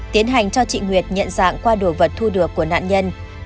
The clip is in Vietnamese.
tiến hành cho chị nguyệt nhận dạng qua đồ vật thu được của nạn nhân